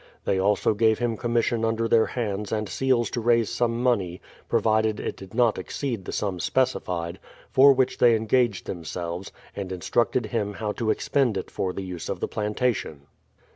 They also gave him commission under their hands md seals to raise some money, provided it did not exceed the sum specified, for which they engaged themselves, and instructed him how to expend it for the use of the planta tion.